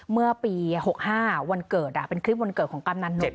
เมื่อปี๖๕วันเกิดเป็นคลิปวันเกิดของกำนันนก